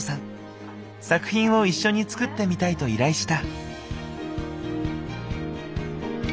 作品を一緒に作ってみたいと依頼した。